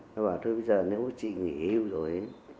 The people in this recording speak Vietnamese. nói bảo thôi bây giờ nếu chị nghỉ hưu rồi